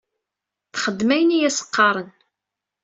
Txeddem ayen i as-qqaren.